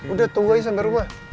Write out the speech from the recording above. udah tunggu aja sampai rumah